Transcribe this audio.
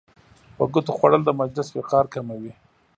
په ګوتو خوړل د مجلس وقار کموي.